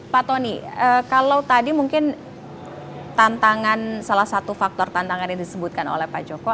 pak tony kalau tadi mungkin salah satu faktor tantangan yang disebutkan oleh pak joko